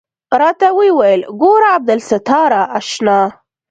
راته ويې ويل ګوره عبدالستاره اشنا.